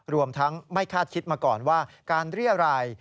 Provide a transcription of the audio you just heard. รวมทั้งไม่คาดคิดมาก่อนว่าการเรียรัย